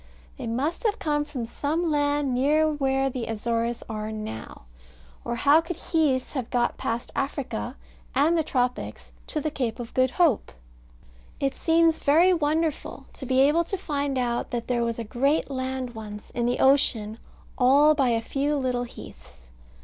They must have come from some land near where the Azores are now; or how could heaths have got past Africa, and the tropics, to the Cape of Good Hope? It seems very wonderful, to be able to find out that there was a great land once in the ocean all by a few little heaths.